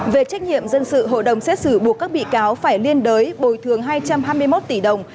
về trách nhiệm dân sự hội đồng xét xử buộc các bị cáo phải liên đới bồi thường hai trăm hai mươi một tỷ đồng